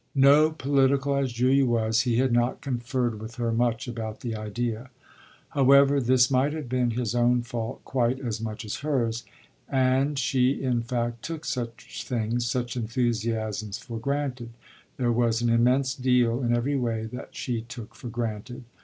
No, political as Julia was, he had not conferred with her much about the idea. However, this might have been his own fault quite as much as hers, and she in fact took such things, such enthusiasms, for granted there was an immense deal in every way that she took for granted.